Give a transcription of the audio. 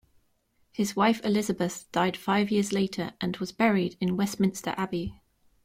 His wife Elizabeth died five years later, and was buried in Westminster Abbey.